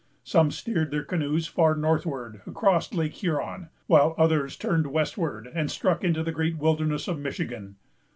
Some steered their canoes far northward, across Lake Huron; while others turned westward, and struck into the great wilderness of Michigan.